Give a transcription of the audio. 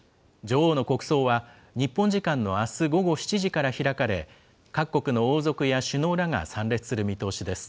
女王の国葬は、日本時間のあす午後７時から開かれ、各国の王族や首脳らが参列する見通しです。